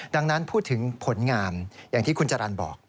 ดังนั้นพูดถึงผลงานอย่างที่คุณจรรย์บอก